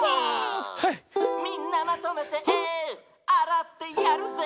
「みんなまとめてあらってやるぜ」